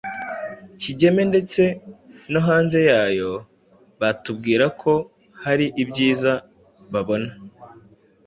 Kigeme ndetse no hanze yayo batubwira ko hari ibyiza babona